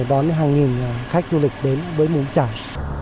đón hàng nghìn khách du lịch đến với mù căng trải